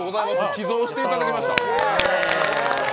寄贈していただきました。